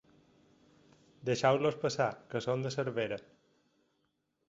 Deixeu-los passar, que són de Cervera.